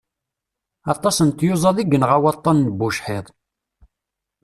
Aṭas n tyuzaḍ i yenɣa waṭan n bucḥiḍ.